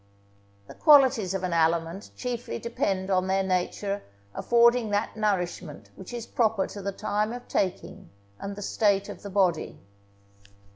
The qualities of an aliment chiefly depend on their nature affording that nourishment which is proper to the time of taking and the state of the body.